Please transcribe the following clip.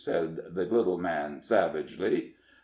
said the little man, savagely.